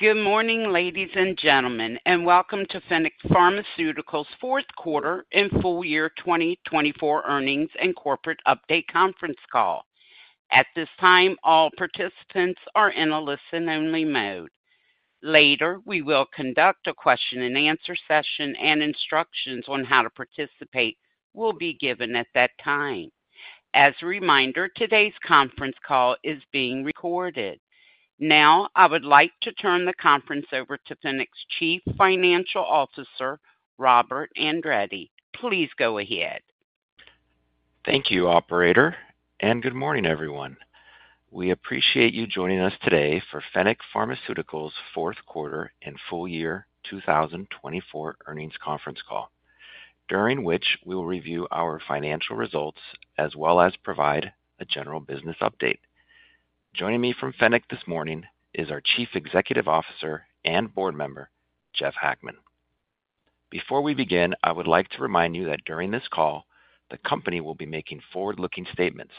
Good morning, ladies and gentlemen, and welcome to Fennec Pharmaceuticals' Fourth Quarter and Full Year 2024 Earnings and Corporate Update Conference Call. At this time, all participants are in a listen-only mode. Later, we will conduct a question-and-answer session, and instructions on how to participate will be given at that time. As a reminder, today's conference call is being recorded. Now, I would like to turn the conference over to Fennec's Chief Financial Officer, Robert Andrade. Please go ahead. Thank you, Operator, and good morning, everyone. We appreciate you joining us today for Fennec Pharmaceuticals' fourth quarter and full year 2024 earnings conference call, during which we will review our financial results as well as provide a general business update. Joining me from Fennec this morning is our Chief Executive Officer and board member, Jeff Hackman. Before we begin, I would like to remind you that during this call, the company will be making forward-looking statements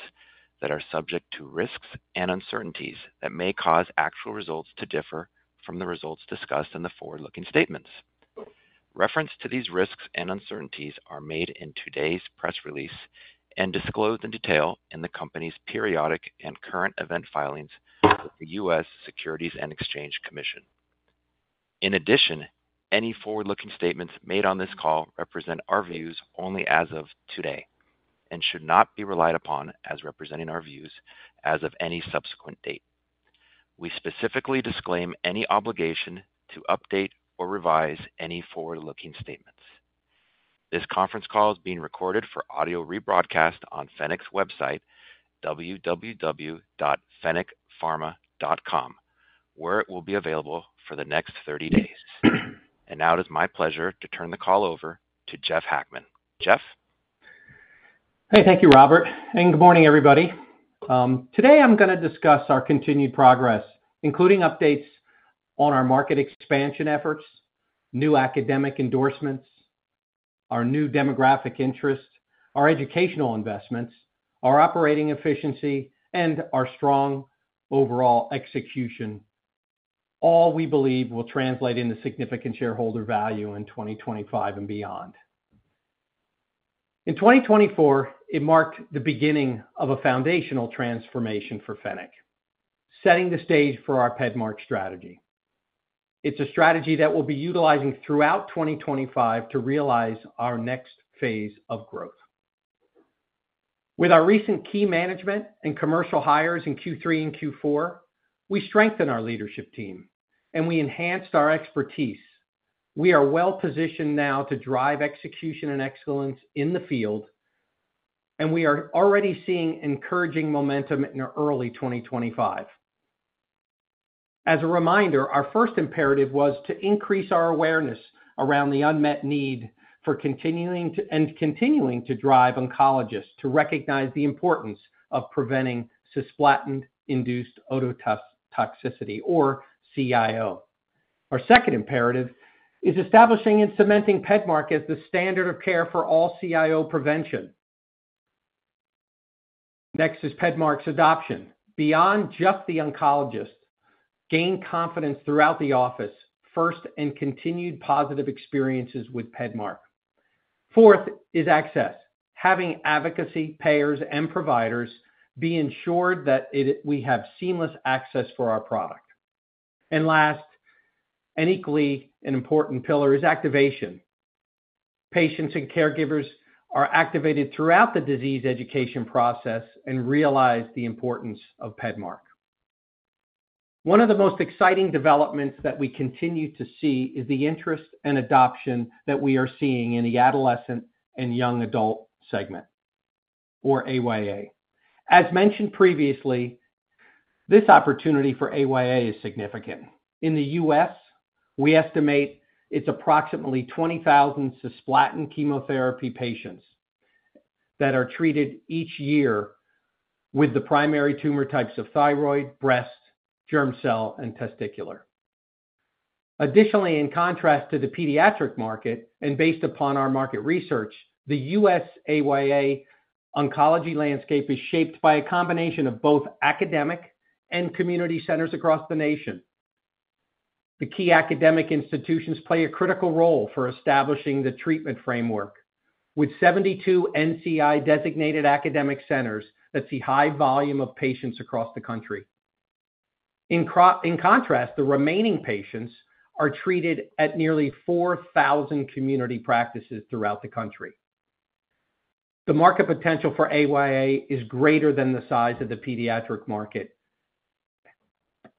that are subject to risks and uncertainties that may cause actual results to differ from the results discussed in the forward-looking statements. Reference to these risks and uncertainties are made in today's press release and disclosed in detail in the company's periodic and current event filings with the U.S. Securities and Exchange Commission. In addition, any forward-looking statements made on this call represent our views only as of today and should not be relied upon as representing our views as of any subsequent date. We specifically disclaim any obligation to update or revise any forward-looking statements. This conference call is being recorded for audio rebroadcast on Fennec's website, www.fennecpharma.com, where it will be available for the next 30 days. It is my pleasure to turn the call over to Jeff Hackman. Jeff? Hey, thank you, Robert. Good morning, everybody. Today, I'm going to discuss our continued progress, including updates on our market expansion efforts, new academic endorsements, our new demographic interest, our educational investments, our operating efficiency, and our strong overall execution, all we believe will translate into significant shareholder value in 2025 and beyond. In 2024, it marked the beginning of a foundational transformation for Fennec, setting the stage for our PEDMARK strategy. It's a strategy that we'll be utilizing throughout 2025 to realize our next phase of growth. With our recent key management and commercial hires in Q3 and Q4, we strengthened our leadership team, and we enhanced our expertise. We are well-positioned now to drive execution and excellence in the field, and we are already seeing encouraging momentum in early 2025. As a reminder, our first imperative was to increase our awareness around the unmet need for continuing to drive oncologists to recognize the importance of preventing cisplatin-induced ototoxicity, or CIO. Our second imperative is establishing and cementing PEDMARK as the standard of care for all CIO prevention. Next is PEDMARK's adoption. Beyond just the oncologists, gain confidence throughout the office, first, and continued positive experiences with PEDMARK. Fourth is access. Having advocacy payers and providers be ensured that we have seamless access for our product. Last, and equally an important pillar, is activation. Patients and caregivers are activated throughout the disease education process and realize the importance of PEDMARK. One of the most exciting developments that we continue to see is the interest and adoption that we are seeing in the adolescent and young adult segment, or AYA. As mentioned previously, this opportunity for AYA is significant. In the U.S., we estimate it's approximately 20,000 cisplatin chemotherapy patients that are treated each year with the primary tumor types of thyroid, breast, germ cell, and testicular. Additionally, in contrast to the pediatric market and based upon our market research, the U.S. AYA oncology landscape is shaped by a combination of both academic and community centers across the nation. The key academic institutions play a critical role for establishing the treatment framework, with 72 NCI-designated academic centers that see high volume of patients across the country. In contrast, the remaining patients are treated at nearly 4,000 community practices throughout the country. The market potential for AYA is greater than the size of the pediatric market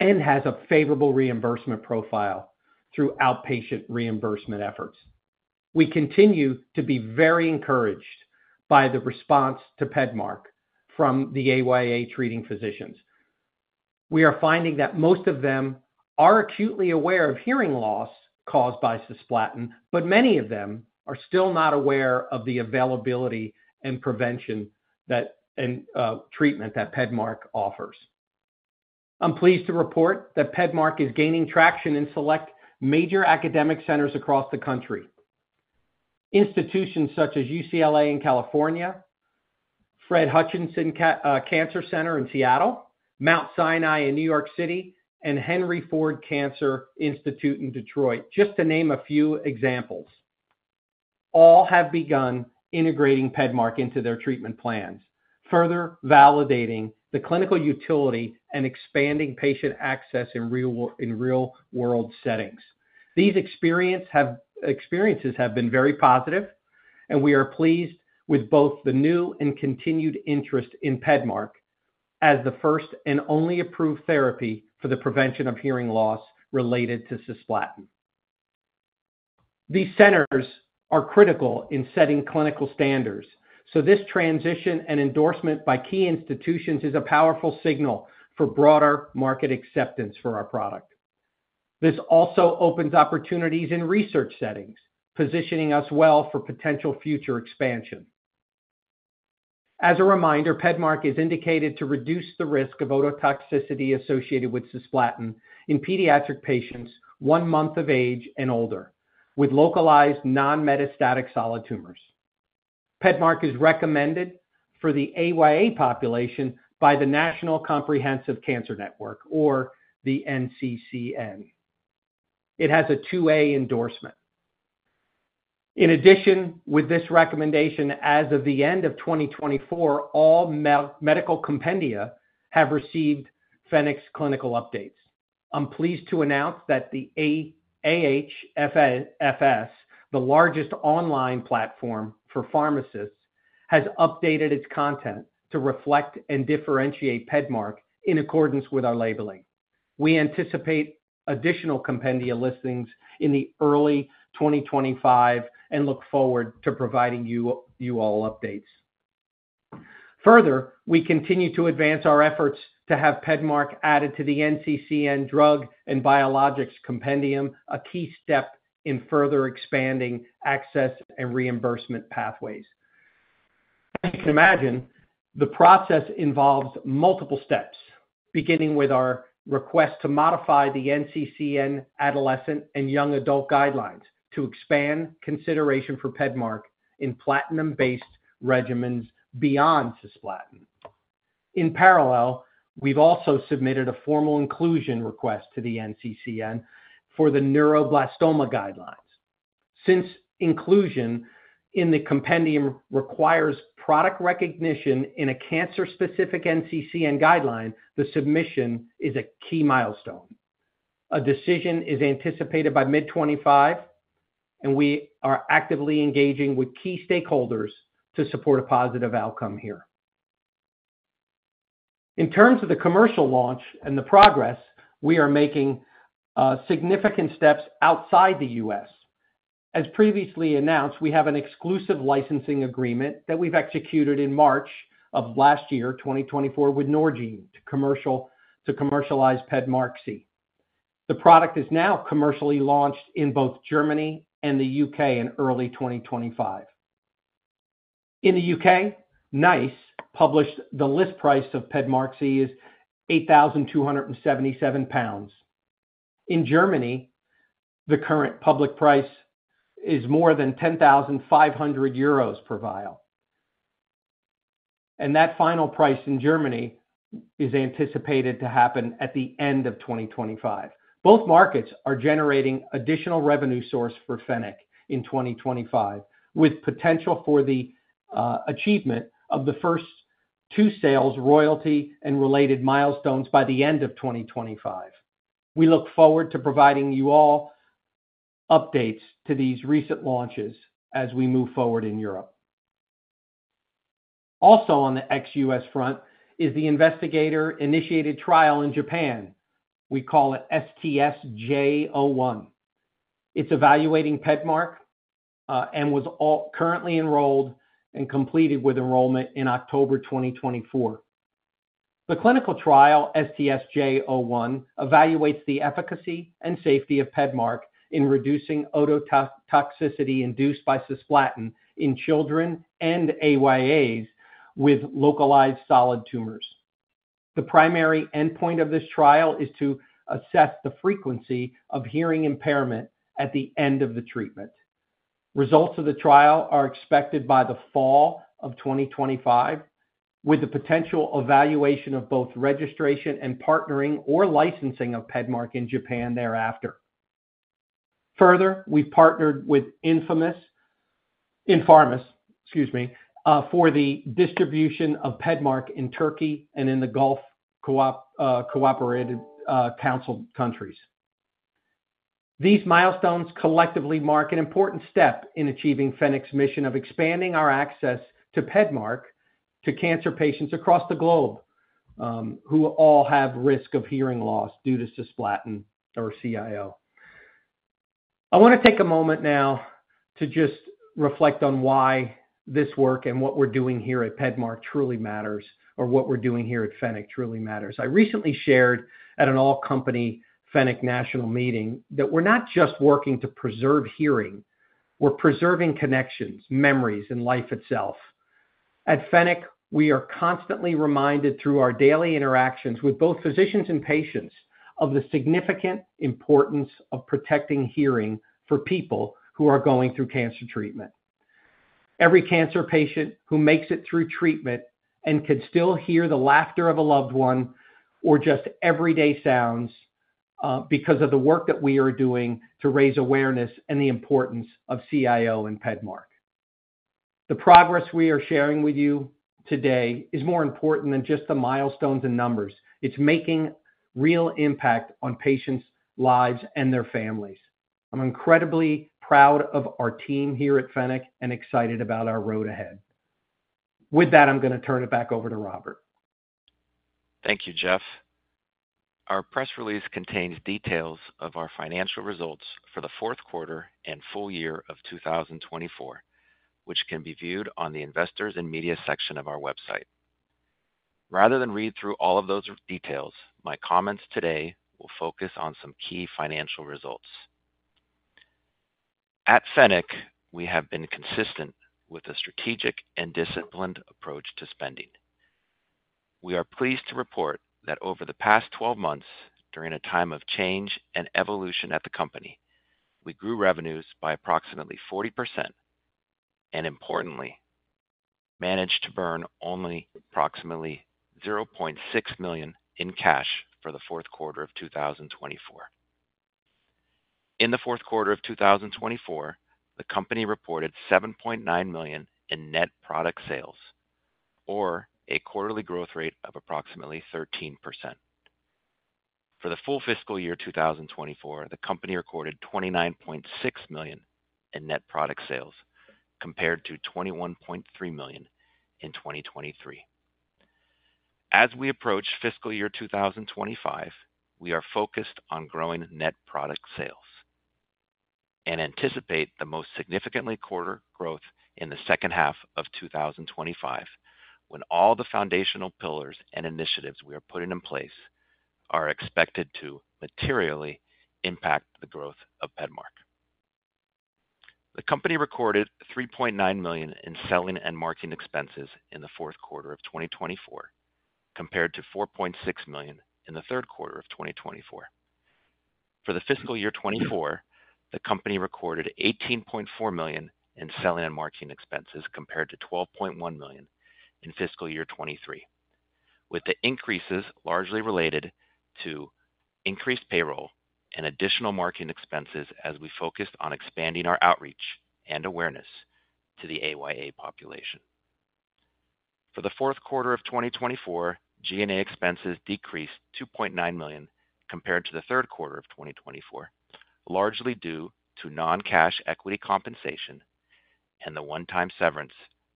and has a favorable reimbursement profile through outpatient reimbursement efforts. We continue to be very encouraged by the response to PEDMARK from the AYA treating physicians. We are finding that most of them are acutely aware of hearing loss caused by cisplatin, but many of them are still not aware of the availability and prevention and treatment that PEDMARK offers. I'm pleased to report that PEDMARK is gaining traction in select major academic centers across the country. Institutions such as UCLA in California, Fred Hutchinson Cancer Center in Seattle, Mount Sinai in New York City, and Henry Ford Cancer Institute in Detroit, just to name a few examples, all have begun integrating PEDMARK into their treatment plans, further validating the clinical utility and expanding patient access in real-world settings. These experiences have been very positive, and we are pleased with both the new and continued interest in PEDMARK as the first and only approved therapy for the prevention of hearing loss related to cisplatin. These centers are critical in setting clinical standards, so this transition and endorsement by key institutions is a powerful signal for broader market acceptance for our product. This also opens opportunities in research settings, positioning us well for potential future expansion. As a reminder, PEDMARK is indicated to reduce the risk of ototoxicity associated with cisplatin in pediatric patients one month of age and older, with localized non-metastatic solid tumors. PEDMARK is recommended for the AYA population by the National Comprehensive Cancer Network, or the NCCN. It has a 2A endorsement. In addition, with this recommendation, as of the end of 2024, all medical compendia have received Fennec's clinical updates. I'm pleased to announce that the AHFS, the largest online platform for pharmacists, has updated its content to reflect and differentiate PEDMARK in accordance with our labeling. We anticipate additional compendia listings in early 2025 and look forward to providing you all updates. Further, we continue to advance our efforts to have PEDMARK added to the NCCN drug and biologics compendium, a key step in further expanding access and reimbursement pathways. As you can imagine, the process involves multiple steps, beginning with our request to modify the NCCN adolescent and young adult guidelines to expand consideration for PEDMARK in platinum-based regimens beyond cisplatin. In parallel, we've also submitted a formal inclusion request to the NCCN for the neuroblastoma guidelines. Since inclusion in the compendium requires product recognition in a cancer-specific NCCN guideline, the submission is a key milestone. A decision is anticipated by mid-2025, and we are actively engaging with key stakeholders to support a positive outcome here. In terms of the commercial launch and the progress, we are making significant steps outside the U.S. As previously announced, we have an exclusive licensing agreement that we've executed in March of last year, 2024, with Norgine to commercialize PEDMARQSI. The product is now commercially launched in both Germany and the U.K. in early 2025. In the U.K., NICE published the list price of PEDMARQSI as 8,277 pounds. In Germany, the current public price is more than 10,500 euros per vial. That final price in Germany is anticipated to happen at the end of 2025. Both markets are generating additional revenue sources for Fennec in 2025, with potential for the achievement of the first two sales, royalty and related milestones by the end of 2025. We look forward to providing you all updates to these recent launches as we move forward in Europe. Also, on the ex-U.S. front is the investigator-initiated trial in Japan. We call it STS-J01. It's evaluating PEDMARQSI and was currently enrolled and completed with enrollment in October 2024. The clinical trial STS-J01 evaluates the efficacy and safety of PEDMARQSI in reducing ototoxicity induced by cisplatin in children and AYAs with localized solid tumors. The primary endpoint of this trial is to assess the frequency of hearing impairment at the end of the treatment. Results of the trial are expected by the fall of 2025, with the potential evaluation of both registration and partnering or licensing of PEDMARQSI in Japan thereafter. Further, we've partnered with Norgine, excuse me, for the distribution of PEDMARQSI in Turkey and in the Gulf Cooperative Council countries. These milestones collectively mark an important step in achieving Fennec's mission of expanding our access to PEDMARQSI to cancer patients across the globe who all have risk of hearing loss due to cisplatin or CIO. I want to take a moment now to just reflect on why this work and what we are doing here at PEDMARK truly matters, or what we are doing here at Fennec truly matters. I recently shared at an all-company Fennec national meeting that we are not just working to preserve hearing. We are preserving connections, memories, and life itself. At Fennec, we are constantly reminded through our daily interactions with both physicians and patients of the significant importance of protecting hearing for people who are going through cancer treatment. Every cancer patient who makes it through treatment and can still hear the laughter of a loved one or just everyday sounds because of the work that we are doing to raise awareness and the importance of CIO and PEDMARK. The progress we are sharing with you today is more important than just the milestones and numbers. It's making real impact on patients' lives and their families. I'm incredibly proud of our team here at Fennec and excited about our road ahead. With that, I'm going to turn it back over to Robert. Thank you, Jeff. Our press release contains details of our financial results for the fourth quarter and full year of 2024, which can be viewed on the Investors and Media section of our website. Rather than read through all of those details, my comments today will focus on some key financial results. At Fennec, we have been consistent with a strategic and disciplined approach to spending. We are pleased to report that over the past 12 months, during a time of change and evolution at the company, we grew revenues by approximately 40% and, importantly, managed to burn only approximately $0.6 million in cash for the fourth quarter of 2024. In the fourth quarter of 2024, the company reported $7.9 million in net product sales, or a quarterly growth rate of approximately 13%. For the full fiscal year 2024, the company recorded $29.6 million in net product sales, compared to $21.3 million in 2023. As we approach fiscal year 2025, we are focused on growing net product sales and anticipate the most significant quarter growth in the second half of 2025 when all the foundational pillars and initiatives we are putting in place are expected to materially impact the growth of PEDMARK. The company recorded $3.9 million in selling and marketing expenses in the fourth quarter of 2024, compared to $4.6 million in the third quarter of 2024. For the fiscal year 2024, the company recorded $18.4 million in selling and marketing expenses, compared to $12.1 million in fiscal year 2023, with the increases largely related to increased payroll and additional marketing expenses as we focused on expanding our outreach and awareness to the AYA population. For the fourth quarter of 2024, G&A expenses decreased $2.9 million compared to the third quarter of 2024, largely due to non-cash equity compensation and the one-time severance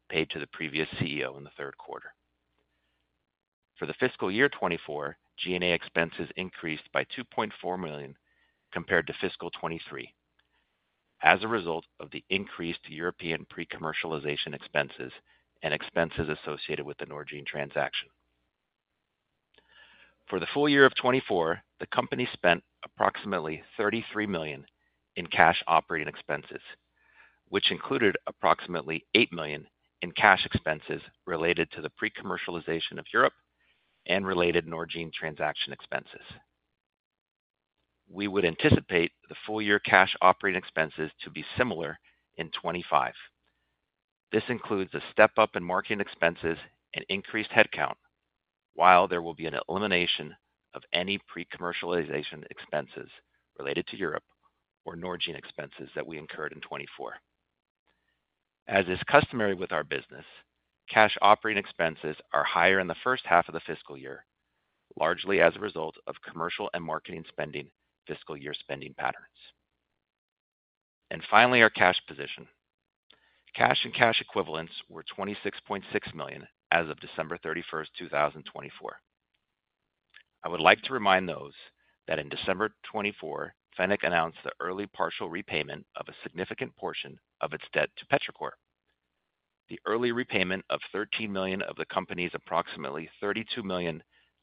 paid to the previous CEO in the third quarter. For the fiscal year 2024, G&A expenses increased by $2.4 million compared to fiscal 2023 as a result of the increased European pre-commercialization expenses and expenses associated with the Norgine transaction. For the full year of 2024, the company spent approximately $33 million in cash operating expenses, which included approximately $8 million in cash expenses related to the pre-commercialization of Europe and related Norgine transaction expenses. We would anticipate the full-year cash operating expenses to be similar in 2025. This includes a step-up in marketing expenses and increased headcount, while there will be an elimination of any pre-commercialization expenses related to Europe or Norgine expenses that we incurred in 2024. As is customary with our business, cash operating expenses are higher in the first half of the fiscal year, largely as a result of commercial and marketing spending fiscal year spending patterns. Finally, our cash position. Cash and cash equivalents were $26.6 million as of December 31, 2024. I would like to remind those that in December 2024, Fennec Pharmaceuticals announced the early partial repayment of a significant portion of its debt to Petrichor. The early repayment of $13 million of the company's approximately $32 million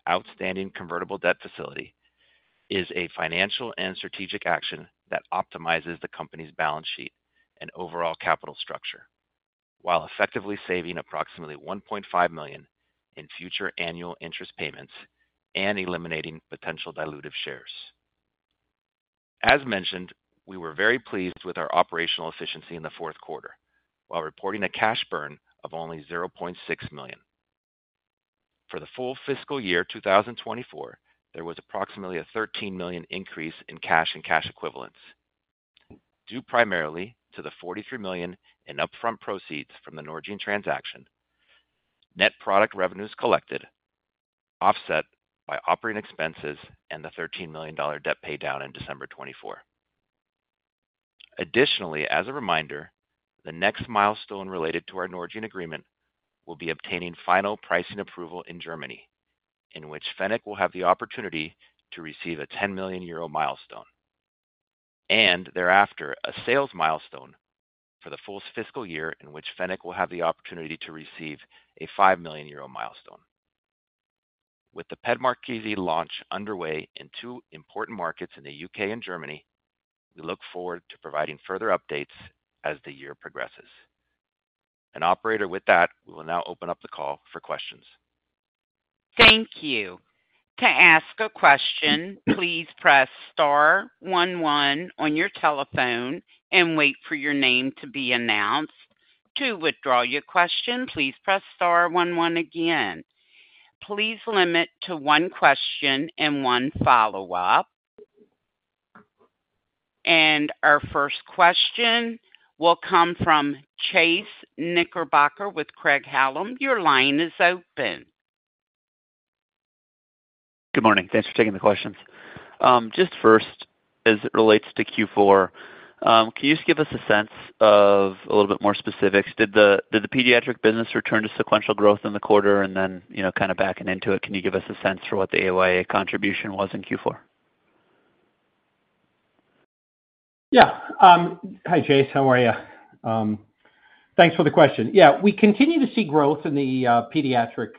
outstanding convertible debt facility is a financial and strategic action that optimizes the company's balance sheet and overall capital structure, while effectively saving approximately $1.5 million in future annual interest payments and eliminating potential dilutive shares. As mentioned, we were very pleased with our operational efficiency in the fourth quarter, while reporting a cash burn of only $0.6 million. For the full fiscal year 2024, there was approximately a $13 million increase in cash and cash equivalents, due primarily to the $43 million in upfront proceeds from the Norgine transaction, net product revenues collected, offset by operating expenses and the $13 million debt paydown in December 2024. Additionally, as a reminder, the next milestone related to our Norgine agreement will be obtaining final pricing approval in Germany, in which Fennec will have the opportunity to receive a $10 million milestone, and thereafter a sales milestone for the full fiscal year, in which Fennec will have the opportunity to receive a $5 million milestone. With the PEDMARQSI launch underway in two important markets in the U.K. and Germany, we look forward to providing further updates as the year progresses. Operator, with that, we will now open up the call for questions. Thank you. To ask a question, please press star one one on your telephone and wait for your name to be announced. To withdraw your question, please press star one one again. Please limit to one question and one follow-up. Our first question will come from Chase Knickerbocker with Craig-Hallum. Your line is open. Good morning. Thanks for taking the questions. Just first, as it relates to Q4, can you just give us a sense of a little bit more specifics? Did the pediatric business return to sequential growth in the quarter and then kind of backing into it, can you give us a sense for what the AYA contribution was in Q4? Yeah. Hi, Chase. How are you? Thanks for the question. Yeah, we continue to see growth in the pediatric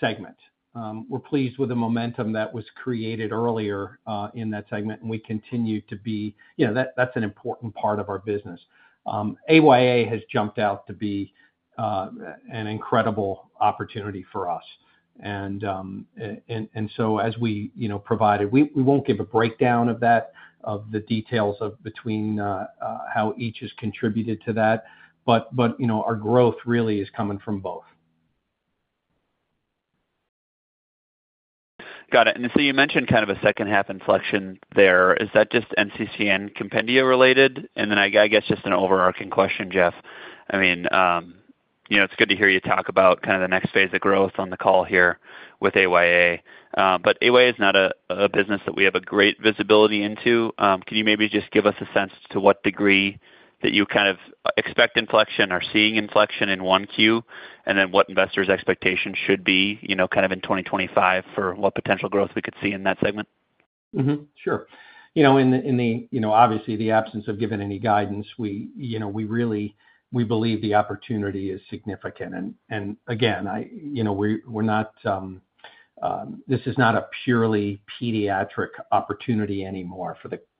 segment. We're pleased with the momentum that was created earlier in that segment, and we continue to be—that's an important part of our business. AYA has jumped out to be an incredible opportunity for us. As we provided, we won't give a breakdown of that, of the details of how each has contributed to that. Our growth really is coming from both. Got it. You mentioned kind of a second-half inflection there. Is that just NCCN compendia related? I guess just an overarching question, Jeff. I mean, it's good to hear you talk about kind of the next phase of growth on the call here with AYA. AYA is not a business that we have great visibility into. Can you maybe just give us a sense to what degree that you kind of expect inflection or seeing inflection in Q1, and then what investors' expectations should be in 2025 for what potential growth we could see in that segment? Sure. In the, obviously, the absence of giving any guidance, we really believe the opportunity is significant. Again, we're not—this is not a purely pediatric opportunity anymore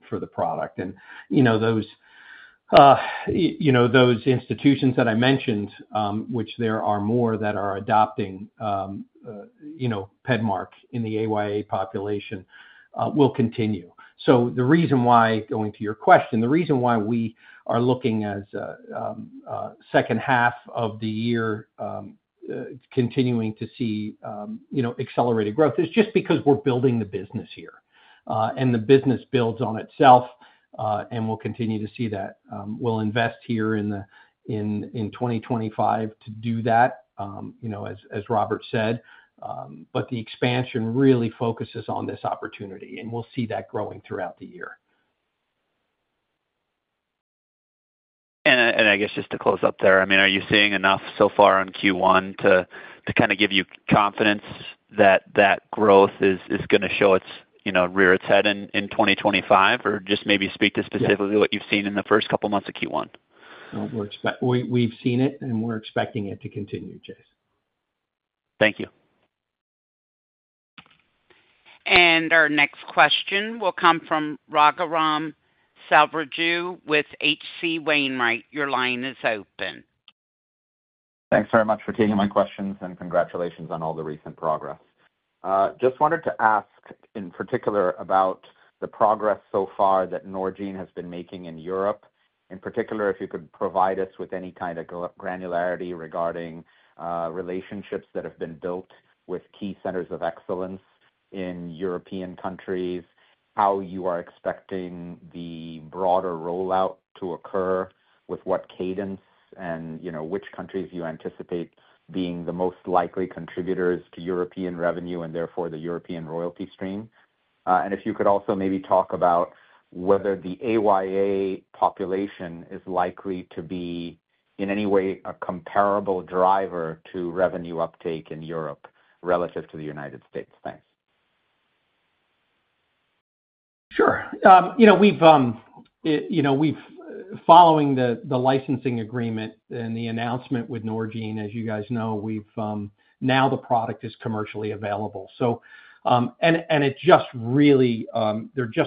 for the product. Those institutions that I mentioned, which there are more that are adopting PEDMARK in the AYA population, will continue. The reason why, going to your question, the reason why we are looking as second half of the year continuing to see accelerated growth is just because we're building the business here. The business builds on itself, and we'll continue to see that. We'll invest here in 2025 to do that, as Robert said. The expansion really focuses on this opportunity, and we'll see that growing throughout the year. I guess just to close up there, I mean, are you seeing enough so far on Q1 to kind of give you confidence that that growth is going to show its rear its head in 2025, or just maybe speak to specifically what you've seen in the first couple of months of Q1? We've seen it, and we're expecting it to continue, Chase. Thank you. Our next question will come from Raghuram Selvaraju with H.C. Wainwright. Your line is open. Thanks very much for taking my questions, and congratulations on all the recent progress. Just wanted to ask in particular about the progress so far that Norgine has been making in Europe. In particular, if you could provide us with any kind of granularity regarding relationships that have been built with key centers of excellence in European countries, how you are expecting the broader rollout to occur, with what cadence, and which countries you anticipate being the most likely contributors to European revenue and therefore the European royalty stream. If you could also maybe talk about whether the AYA population is likely to be in any way a comparable driver to revenue uptake in Europe relative to the United States. Thanks. Sure. We've, following the licensing agreement and the announcement with Norgine, as you guys know, now the product is commercially available. They're just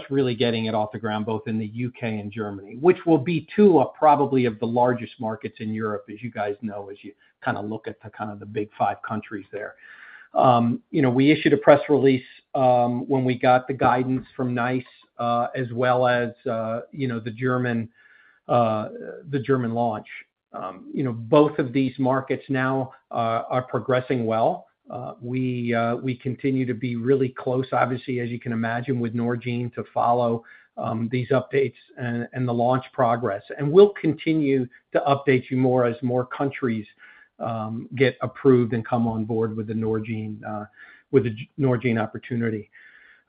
really getting it off the ground both in the U.K. and Germany, which will be two probably of the largest markets in Europe, as you guys know, as you kind of look at kind of the big five countries there. We issued a press release when we got the guidance from NICE as well as the German launch. Both of these markets now are progressing well. We continue to be really close, obviously, as you can imagine, with Norgine to follow these updates and the launch progress. We'll continue to update you more as more countries get approved and come on board with the Norgine opportunity.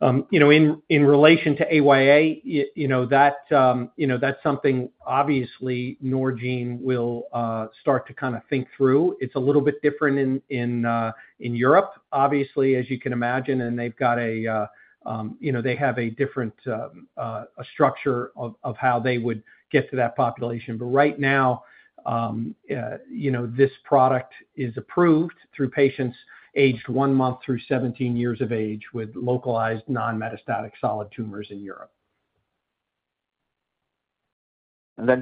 In relation to AYA, that's something obviously Norgine will start to kind of think through. It's a little bit different in Europe, obviously, as you can imagine, and they have a different structure of how they would get to that population. Right now, this product is approved through patients aged one month through 17 years of age with localized non-metastatic solid tumors in Europe.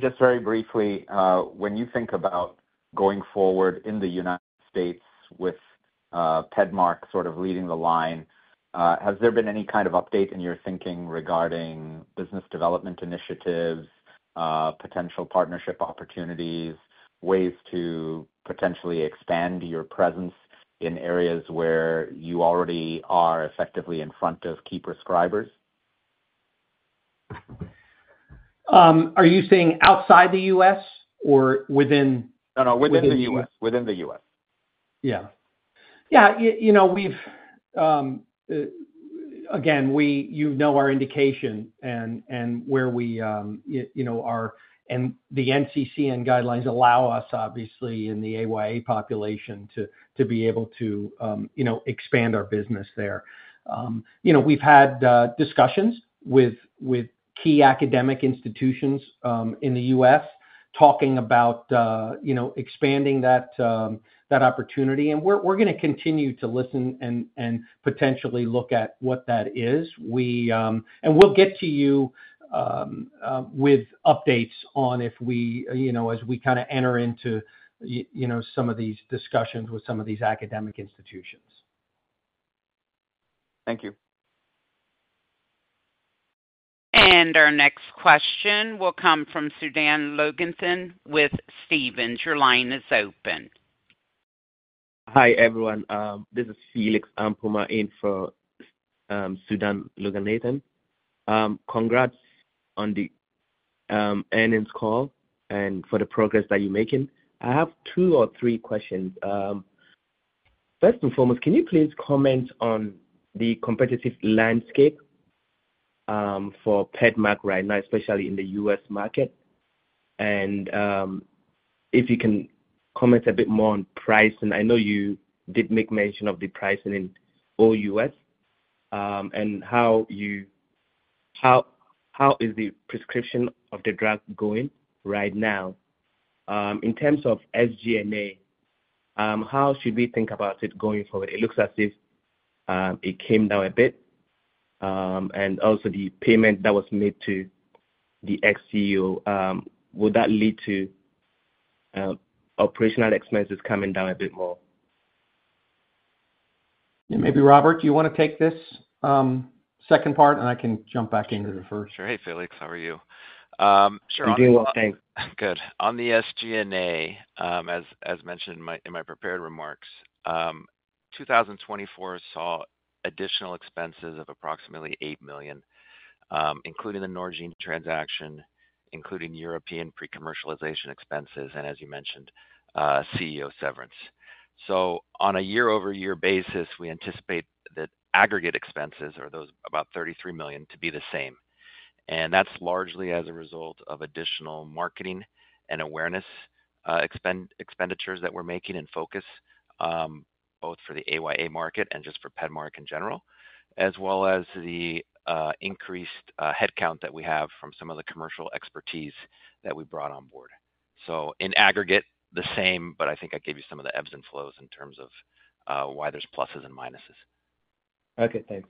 Just very briefly, when you think about going forward in the United States with PEDMARQSI sort of leading the line, has there been any kind of update in your thinking regarding business development initiatives, potential partnership opportunities, ways to potentially expand your presence in areas where you already are effectively in front of key prescribers? Are you saying outside the U.S. or within? No, no. Within the U.S. Within the U.S. Yeah. Yeah. Again, you know our indication and where we are and the NCCN guidelines allow us, obviously, in the AYA population to be able to expand our business there. We've had discussions with key academic institutions in the U.S. talking about expanding that opportunity. We're going to continue to listen and potentially look at what that is. We'll get to you with updates if we—as we kind of enter into some of these discussions with some of these academic institutions. Thank you. Our next question will come from Sudan Loganathan with Stephens. Your line is open. Hi, everyone. This is Felix Ampomah in for Sudan Loganathan. Congrats on the earnings call and for the progress that you're making. I have two or three questions. First and foremost, can you please comment on the competitive landscape for PEDMARK right now, especially in the U.S. market? If you can comment a bit more on pricing. I know you did make mention of the pricing in all U.S. and how is the prescription of the drug going right now. In terms of SG&A, how should we think about it going forward? It looks as if it came down a bit. Also, the payment that was made to the ex-CEO, would that lead to operational expenses coming down a bit more? Maybe Robert, do you want to take this second part, and I can jump back into the first? Sure. Hey, Felix. How are you? Sure. I'm doing well, thanks. Good. On the SG&A, as mentioned in my prepared remarks, 2024 saw additional expenses of approximately $8 million, including the Norgine transaction, including European pre-commercialization expenses, and as you mentioned, CEO severance. On a year-over-year basis, we anticipate that aggregate expenses are those about $33 million to be the same. That is largely as a result of additional marketing and awareness expenditures that we are making in focus, both for the AYA market and just for PEDMARK in general, as well as the increased headcount that we have from some of the commercial expertise that we brought on board. In aggregate, the same, but I think I gave you some of the ebbs and flows in terms of why there are pluses and minuses. Okay. Thanks.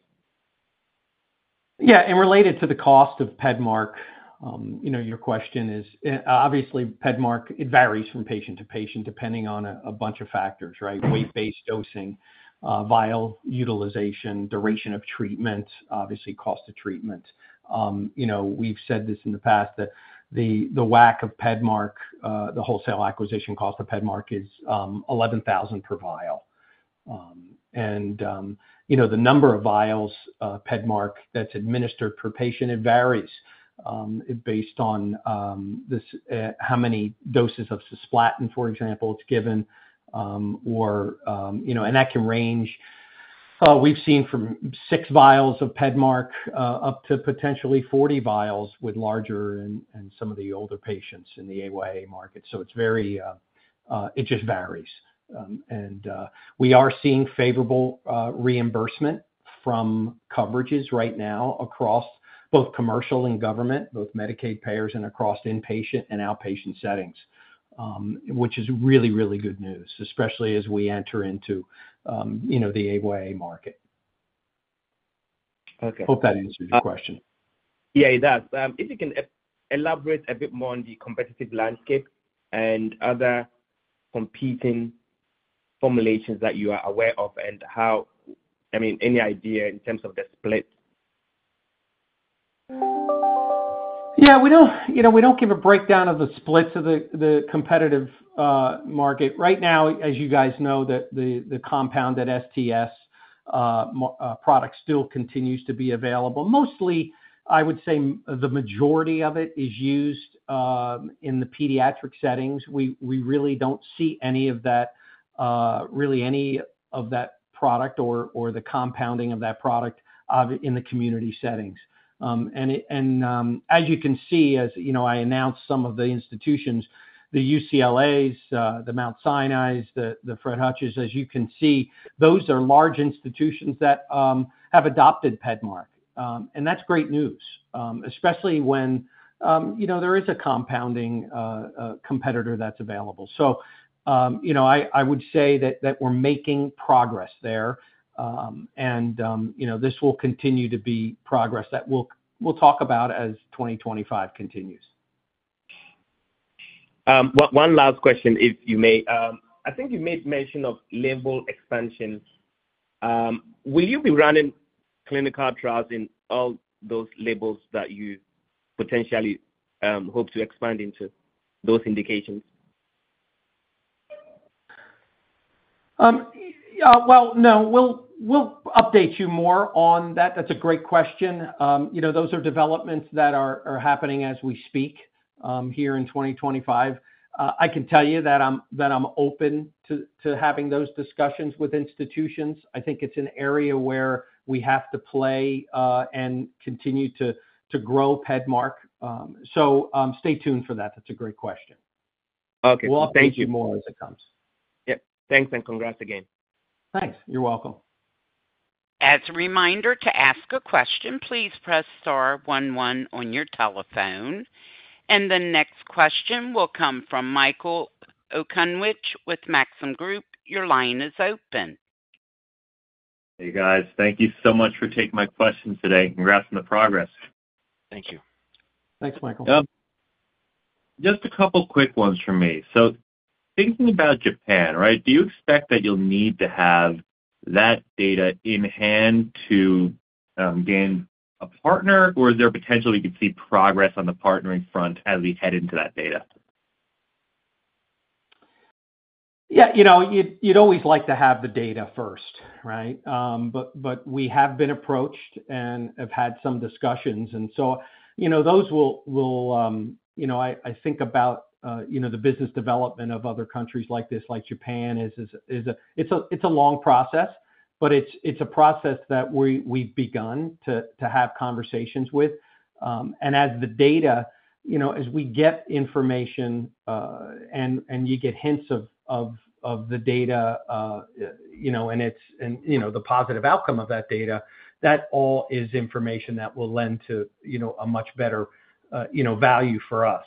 Yeah. Related to the cost of PEDMARQSI, your question is obviously PEDMARQSI, it varies from patient to patient depending on a bunch of factors, right? Weight-based dosing, vial utilization, duration of treatment, obviously cost of treatment. We've said this in the past that the WAC of PEDMARQSI, the wholesale acquisition cost of PEDMARQSI, is $11,000 per vial. The number of vials of PEDMARQSI that's administered per patient, it varies based on how many doses of cisplatin, for example, it's given. That can range. We've seen from six vials of PEDMARQSI up to potentially 40 vials with larger and some of the older patients in the AYA market. It just varies. We are seeing favorable reimbursement from coverages right now across both commercial and government, both Medicaid payers and across inpatient and outpatient settings, which is really, really good news, especially as we enter into the AYA market. Hope that answers your question. Yeah, it does. If you can elaborate a bit more on the competitive landscape and other competing formulations that you are aware of and how—I mean, any idea in terms of the split? Yeah. We do not give a breakdown of the splits of the competitive market. Right now, as you guys know, the compounded STS product still continues to be available. Mostly, I would say the majority of it is used in the pediatric settings. We really do not see any of that—really any of that product or the compounding of that product in the community settings. As you can see, as I announced some of the institutions, the UCLAs, the Mount Sinai, the Fred Hutchinsons, as you can see, those are large institutions that have adopted PEDMARK. That is great news, especially when there is a compounding competitor that is available. I would say that we are making progress there. This will continue to be progress that we will talk about as 2025 continues. One last question, if you may. I think you made mention of label expansion. Will you be running clinical trials in all those labels that you potentially hope to expand into those indications? No. We'll update you more on that. That's a great question. Those are developments that are happening as we speak here in 2025. I can tell you that I'm open to having those discussions with institutions. I think it's an area where we have to play and continue to grow PEDMARQSI. Stay tuned for that. That's a great question. Okay. Thank you. We'll update you more as it comes. Yep. Thanks. Congrats again. Thanks. You're welcome. As a reminder to ask a question, please press star one one on your telephone. The next question will come from Michael Okunewitch with Maxim Group. Your line is open. Hey, guys. Thank you so much for taking my questions today. Congrats on the progress. Thank you. Thanks, Michael. Just a couple of quick ones from me. Thinking about Japan, right, do you expect that you'll need to have that data in hand to gain a partner, or is there potential you could see progress on the partnering front as we head into that data? Yeah. You'd always like to have the data first, right? We have been approached and have had some discussions. Those will—I think about the business development of other countries like this, like Japan, it is a long process, but it is a process that we've begun to have conversations with. As the data, as we get information and you get hints of the data and the positive outcome of that data, that all is information that will lend to a much better value for us.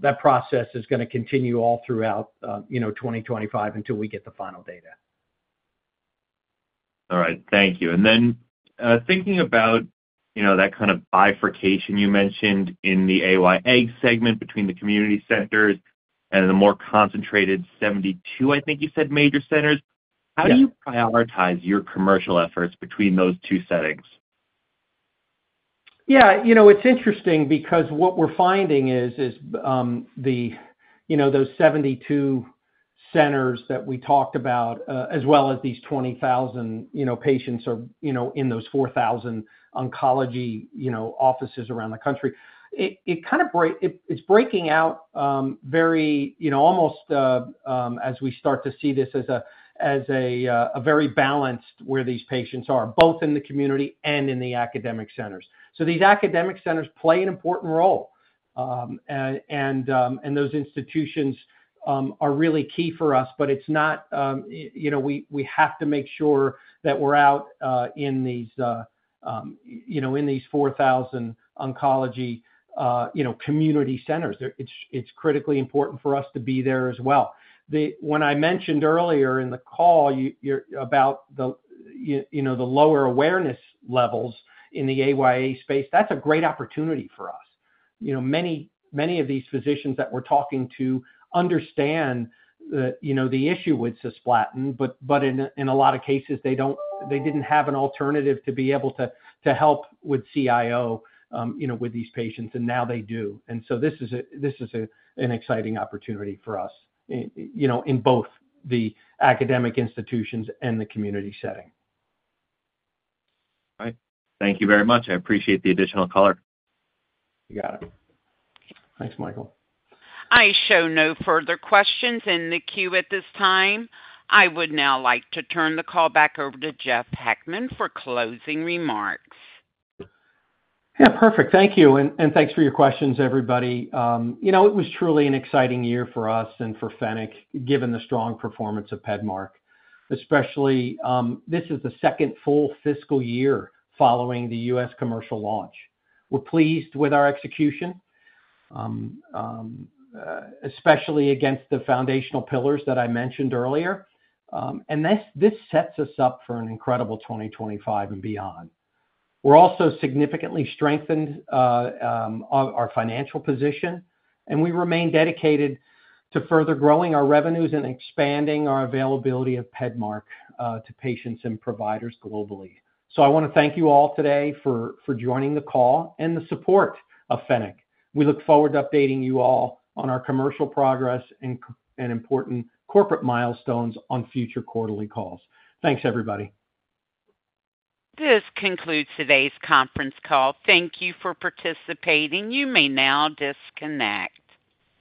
That process is going to continue all throughout 2025 until we get the final data. All right. Thank you. And then thinking about that kind of bifurcation you mentioned in the AYA segment between the community centers and the more concentrated 72, I think you said, major centers, how do you prioritize your commercial efforts between those two settings? Yeah. It's interesting because what we're finding is those 72 centers that we talked about, as well as these 20,000 patients in those 4,000 oncology offices around the country, it kind of—it's breaking out very almost as we start to see this as a very balanced where these patients are, both in the community and in the academic centers. These academic centers play an important role. Those institutions are really key for us, but it's not—we have to make sure that we're out in these 4,000 oncology community centers. It's critically important for us to be there as well. When I mentioned earlier in the call about the lower awareness levels in the AYA space, that's a great opportunity for us. Many of these physicians that we're talking to understand the issue with cisplatin, but in a lot of cases, they didn't have an alternative to be able to help with CIO with these patients, and now they do. This is an exciting opportunity for us in both the academic institutions and the community setting. All right. Thank you very much. I appreciate the additional color. You got it. Thanks, Michael. I show no further questions in the queue at this time. I would now like to turn the call back over to Jeff Hackman for closing remarks. Yeah. Perfect. Thank you. And thanks for your questions, everybody. It was truly an exciting year for us and for Fennec given the strong performance of PEDMARK, especially this is the second full fiscal year following the U.S. commercial launch. We're pleased with our execution, especially against the foundational pillars that I mentioned earlier. This sets us up for an incredible 2025 and beyond. We also significantly strengthened our financial position, and we remain dedicated to further growing our revenues and expanding our availability of PEDMARK to patients and providers globally. I want to thank you all today for joining the call and the support of Fennec. We look forward to updating you all on our commercial progress and important corporate milestones on future quarterly calls. Thanks, everybody. This concludes today's conference call. Thank you for participating. You may now disconnect.